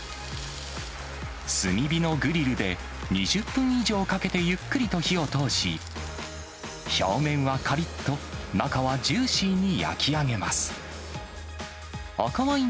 炭火のグリルで２０分以上かけてゆっくりと火を通し、表面はかりっと、中はジューシーに焼き上げます。